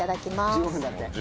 １５分だって。